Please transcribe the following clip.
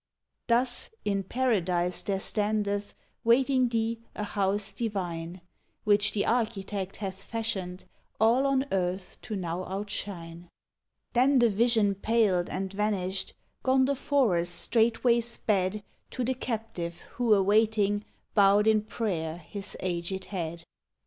Thus, in Paradise there standeth Waiting thee, a House divine, Which the Architect hath fashioned All on Earth to now outshine!" Then the vision paled and vanished; Gondoforus straightway sped To the captive, who awaiting, Bowed in prayer his aged head.